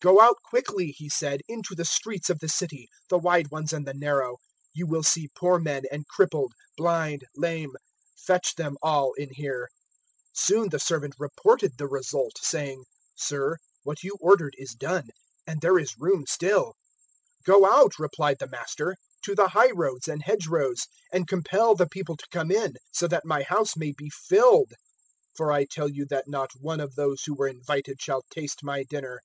"`Go out quickly,' he said, `into the streets of the city the wide ones and the narrow. You will see poor men, and crippled, blind, lame: fetch them all in here.' 014:022 "Soon the servant reported the result, saying, "`Sir, what you ordered is done, and there is room still.' 014:023 "`Go out,' replied the master, `to the high roads and hedge rows, and compel the people to come in, so that my house may be filled. 014:024 For I tell you that not one of those who were invited shall taste my dinner.'"